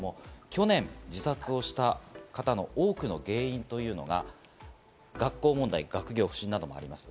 去年自殺をした方の多くの原因というのが学校問題、学業不振などがあります。